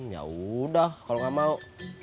ya udah kalau gak mau